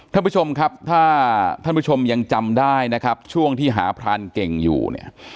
ท่านผู้ชมครับถ้าท่านผู้ชมยังจำได้นะครับช่วงที่หาพรานเก่งอยู่เนี่ย